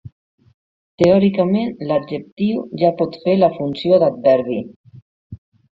Teòricament l'adjectiu ja pot fer la funció d'adverbi.